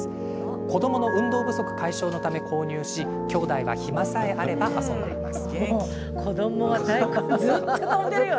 子どもの運動不足解消のため購入し、きょうだいは暇さえあれば遊んでいます。